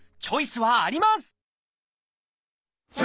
チョイスはあります！